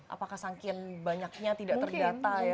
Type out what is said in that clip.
apakah sangkian banyaknya tidak tergata ya